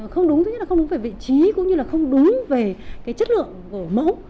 không đúng thứ nhất là không đúng về vị trí cũng như là không đúng về cái chất lượng của mẫu